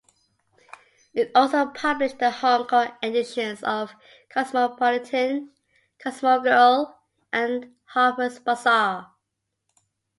It also published the Hong Kong editions of "Cosmopolitan", "Cosmogirl" and "Harper's Bazaar".